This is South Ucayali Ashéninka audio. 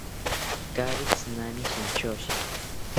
Kaari tzinani shantyoshi